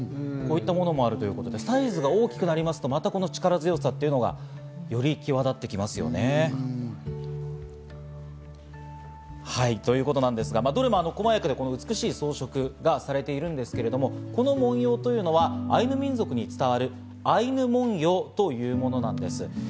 こういったものもあるということで、サイズが大きくなりますと、またこの力強さがより際立ってきますよね。ということですが、どれも細やかで美しい装飾がされているんですけれども、この文様というのはアイヌ民族に伝わるアイヌ文様というものなんです。